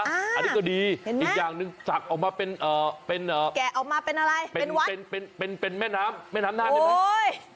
อันนี้ก็ดีอีกอย่างหนึ่งสักออกมาเป็นแกะออกมาเป็นอะไรเป็นเป็นแม่น้ำแม่น้ำน่านได้ไหม